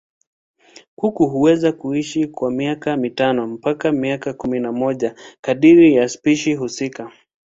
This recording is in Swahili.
Kuku huweza kuishi kwa miaka mitano mpaka kumi na moja kadiri ya spishi husika.